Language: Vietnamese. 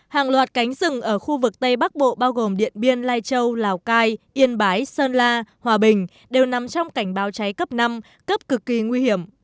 hàng loạt cánh rừng ở khu vực tây bắc bộ bao gồm điện biên lai châu lào cai yên bái sơn la hòa bình đều nằm trong cảnh báo cháy cấp năm cấp cực kỳ nguy hiểm